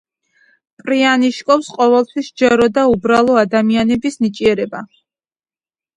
პრიანიშნიკოვს ყოველთვის სჯეროდა უბრალო ადამიანების ნიჭიერება.